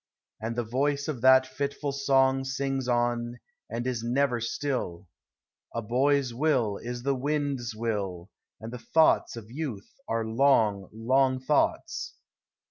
And the voice of that fitful song Sings on, and is never still :" A boy's will is the wind's will, And the thoughts of youth are long, long thoughts."